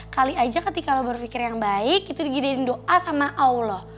kali aja ketika lo berpikir yang baik itu digidein doa sama allah